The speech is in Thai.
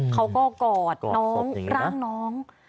เขาก็กอดน้องรังน้อง